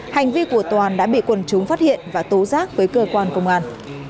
hành vi của toàn đã bị quần chúng phát hiện và tố giác với cơ quan công an